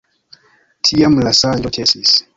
Tiam la sonĝo ĉesis.